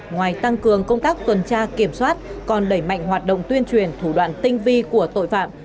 ngoài tăng cường công tác tuần tra kiểm soát còn đẩy mạnh hoạt động tuyên truyền thủ đoạn tinh vi của tội phạm